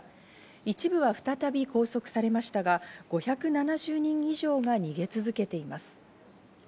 一部は再び拘束されましたが、５７０人以上が逃げ続けています。